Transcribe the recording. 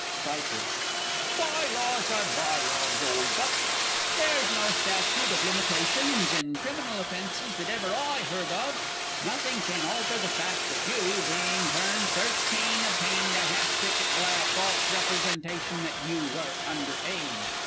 Sp. Bye laws are Bye laws, old Buck! there's no Statute of Limitations in criminal offences that ever I heard of! Nothing can alter the fact that you, being turned thirteen, obtained a half ticket by a false representation that you were under age.